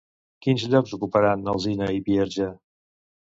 Quins llocs ocuparan Alsina i Bierge?